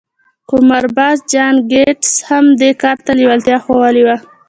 قمارباز جان ګيټس هم دې کار ته لېوالتيا ښوولې وه.